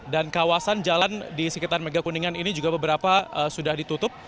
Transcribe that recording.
dan kawasan jalan di sekitar mega kuningan ini juga beberapa sudah ditutup